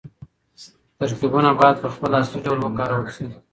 ترکيبونه بايد په خپل اصلي ډول وکارول شي.